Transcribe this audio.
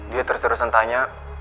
dia terus terusan tanya